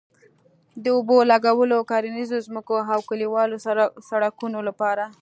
د اوبه لګولو، کرنيزو ځمکو او کلیوالو سړکونو لپاره